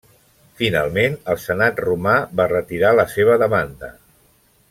Finalment el senat romà va retirar la seva demanda.